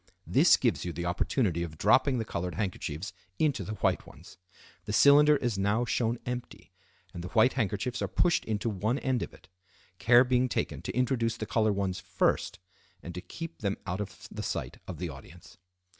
This gives you the opportunity of dropping the colored handkerchiefs into the white ones. The cylinder is now shown empty, and the white handkerchiefs are pushed into one end of it; care being taken to introduce the colored ones first, and to keep them out of sight of the audience.